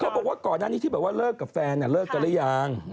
บอกว่าก่อนหน้านี้ที่แบบว่าเลิกกับแฟนเลิกกันหรือยัง